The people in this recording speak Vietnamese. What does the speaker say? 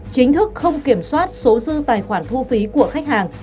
chính thức không kiểm soát số dư tài khoản thu phí của khách hàng